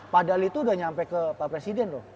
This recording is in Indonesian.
pak dali itu udah nyampe ke pak presiden loh